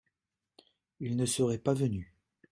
Ils ne seraient pas venus ?